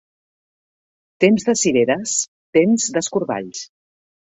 Temps de cireres, temps d'escorballs.